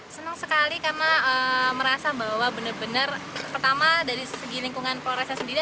senang sekali karena merasa bahwa benar benar pertama dari segi lingkungan polresnya sendiri